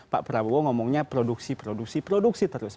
pak prabowo ngomongnya produksi produksi produksi terus